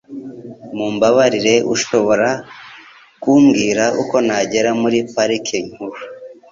Mumbabarire, ushobora kumbwira uko nagera muri Parike Nkuru?